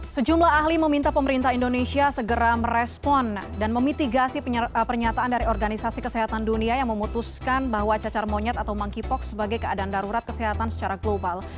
sejumlah ahli meminta pemerintah indonesia segera merespon dan memitigasi pernyataan dari organisasi kesehatan dunia yang memutuskan bahwa cacar monyet atau monkeypox sebagai keadaan darurat kesehatan secara global